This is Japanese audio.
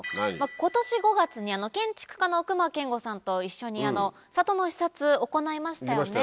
今年５月に建築家の隈研吾さんと一緒に里の視察行いましたよね。